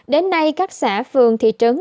đến nay các xã phường thị trấn